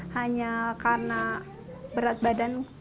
hanya karena berat badan tidak memenuhi standar